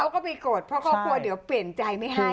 เค้าก็ไปโกรธเพราะเข้าควรเดี๋ยวเปรียบใจไม่ให้